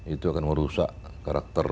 itu akan merusak karakter